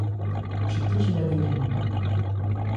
Чи ти ж мені рівня!